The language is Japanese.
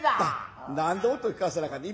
何で音聞かせなあかんねん。